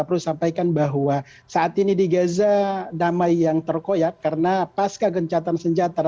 perlu sampaikan bahwa saat ini di gaza damai yang terkoyak karena pas kegencatan senjata